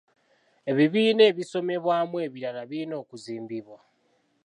Ebibiina ebisomebwamu ebirala birina okuzimbibwa.